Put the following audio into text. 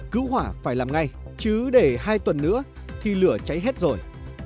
cứu hỏa phải làm ngay chứ để hai tuần nữa thì lửa cháy hết rồi